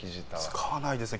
使わないですね。